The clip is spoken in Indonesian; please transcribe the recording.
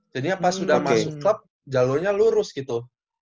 jadi pas udah masuk klub jalurnya lurus gitu